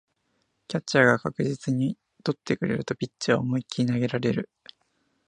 キャッチャーが確実に捕ってくれるとピッチャーは思いっきり投げられる